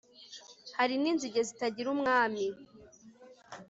hari n'inzige zitagira umwami